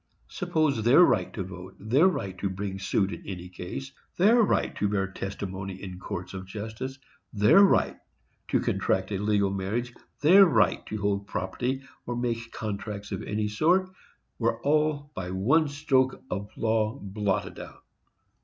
Suppose their right to vote, their right to bring suit in any case, their right to bear testimony in courts of justice, their right to contract a legal marriage, their right to hold property or to make contracts of any sort, were all by one stroke of law blotted out.